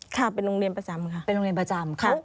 ค่ะเป็นโรงเรียนประจำค่ะ